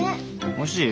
おいしい？